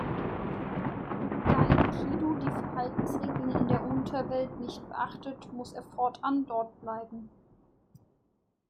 Da Enkidu die Verhaltensregeln in der Unterwelt nicht beachtet, muss er fortan dort bleiben.